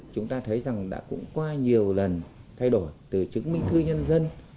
chúng ta thấy rằng đã cũng qua nhiều lần thay đổi từ chứng minh thư nhân dân